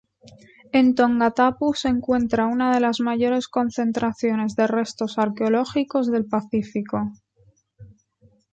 En Tongatapu se encuentra una de las mayores concentraciones de restos arqueológicos del Pacífico.